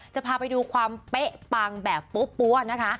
จะพาไปดูความเป๊ะปังแบบปั๊วนะคะ